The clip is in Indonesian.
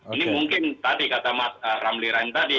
ini mungkin tadi kata mas ramli rain tadi